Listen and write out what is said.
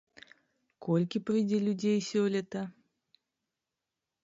Колькі прыйдзе людзей сёлета?